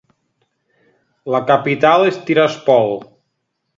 La capital és Tiraspol.